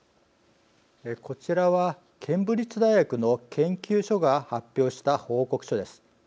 こちらはケンブリッジ大学の研究所が発表した報告書です。